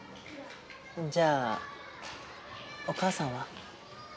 じゃあお母さんは？